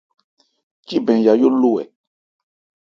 Cíbɛn Yayó lo ɛ ?